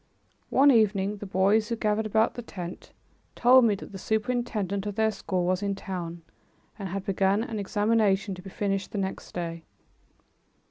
One evening, the boys who gathered about the tent told me that the superintendent of their school was in town and had begun an examination, to be finished the next day.